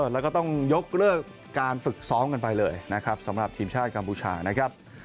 แล้วก็ต้องยกเลิกการฝึกซ้อมกันไปเลยนะครับสำหรับทีมชาติกัมพูชานะครับ